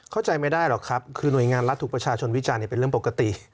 เข้าใจไม่ได้หรอกครับคือหน่วยงานรัฐถูกประชาชนวิจารณ์เป็นเรื่องปกติ